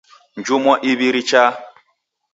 Njumwa iw'i richaa.